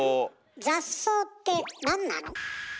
雑草ってなんなの？